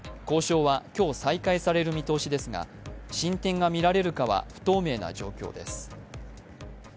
交渉は今日再開される見通しですが、進展が見られるかは不透明な状況です。